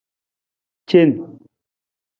Cen.